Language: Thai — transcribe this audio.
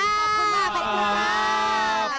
ขอบคุณมากค่ะ